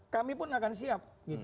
kami pun akan siap